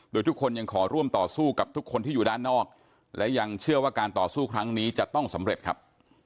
โดยทุกคนยังขอร่วมต่อสู้กับทุกคนที่อยู่ด้านนอกและยังเชื่อว่าการต่อสู้ครั้งนี้จะต้องสำเร็จครับ